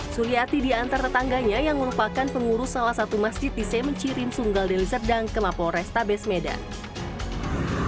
suriati diantar tetangganya yang merupakan pengurus salah satu masjid di semencirim sunggal liser dan kemapolores tabes medan